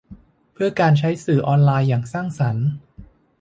เพื่อการใช้สื่อออนไลน์อย่างสร้างสรรค์